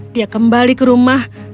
dia kembali ke rumah